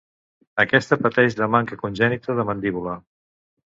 Aquesta pateix de manca congènita de mandíbula.